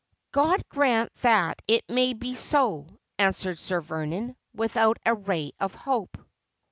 ' God grant that it maybe so,' answered Sir Vernon, without a ray of hope.